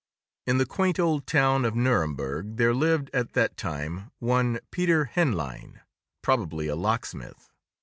In the quaint old town of Nuremberg there lived, at that time, one Peter Henlein, probably a locksmith.